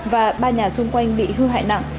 và ba nhà xung quanh bị hư hại nặng